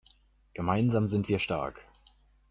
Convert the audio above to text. Gemeinsam sind wir stark.